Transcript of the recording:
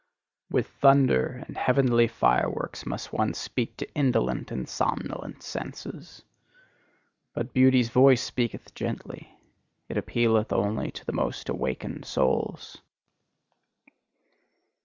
With thunder and heavenly fireworks must one speak to indolent and somnolent senses. But beauty's voice speaketh gently: it appealeth only to the most awakened souls.